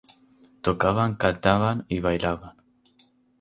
Tocaban, cantaban y bailaban.